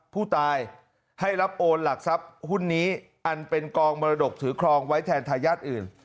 ผู้ตายให้รับโอนหลักทรัพย์หุ้นนี้อันเป็นกองมรดกถือครองไว้แทนทายาทอื่น